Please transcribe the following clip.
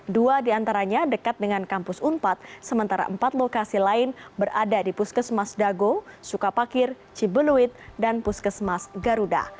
dua diantaranya dekat dengan kampus unpad sementara empat lokasi lain berada di puskesmas dago sukapakir cibeluit dan puskesmas garuda